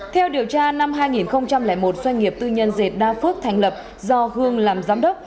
theo điều tra năm hai nghìn một doanh nghiệp tư nhân dệt đa phước thành lập do hương làm giám đốc